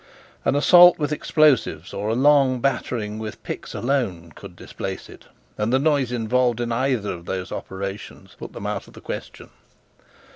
An assault with explosives or a long battering with picks alone could displace it, and the noise involved in either of these operations put them out of the question.